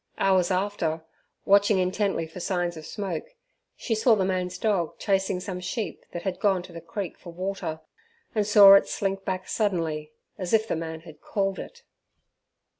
Hours after, watching intently for signs of smoke, she saw the man's dog chasing some sheep that had gone to the creek for water, and saw it slink back suddenly, as if the man had called it.